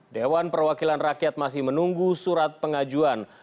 dewan perwakilan rakyat masih menunggu surat pengajuan